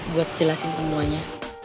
buat jelasin temuanya